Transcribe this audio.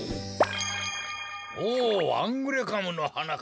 おおアングレカムのはなか。